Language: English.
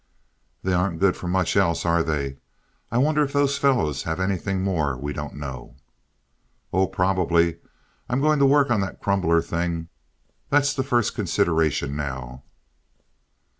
"They aren't good for much else, are they? I wonder if those fellows have anything more we don't know?" "Oh, probably. I'm going to work on that crumbler thing. That's the first consideration now."